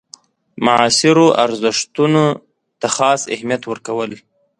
معاصرو ارزښتونو ته خاص اهمیت ورکول.